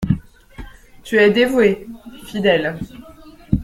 Tu es dévoué, fidèle…